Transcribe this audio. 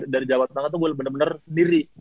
dari jawa tengah tuh gue bener bener sendiri